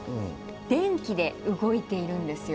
電気で動いているんですよ。